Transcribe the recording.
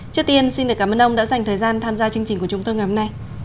trước tiên xin cảm ơn ông đã dành thời gian tham gia chương trình của chúng tôi ngày hôm nay